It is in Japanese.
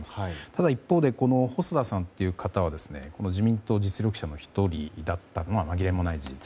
ただ、一方で細田さんという方は自民党実力者の１人だったのはまぎれもない事実。